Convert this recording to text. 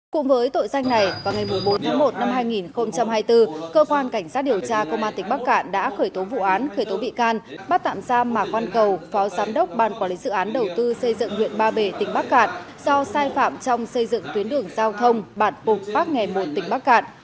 cùng với tội danh này vào ngày bốn tháng một năm hai nghìn hai mươi bốn cơ quan cảnh sát điều tra công an tỉnh bắc cạn đã khởi tố vụ án khởi tố bị can bắt tạm giam mạc văn cầu phó giám đốc ban quản lý dự án đầu tư xây dựng huyện ba bể tỉnh bắc cạn do sai phạm trong xây dựng tuyến đường giao thông bản phục bác nghề một tỉnh bắc cạn